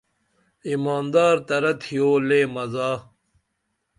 ایماندار ترہ تھیو لے مزہ